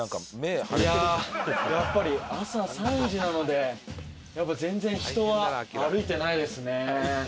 いややっぱり朝３時なので全然人は歩いてないですね。